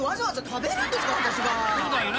そうだよな。